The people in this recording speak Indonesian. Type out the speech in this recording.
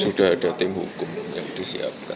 sudah ada tim hukum yang disiapkan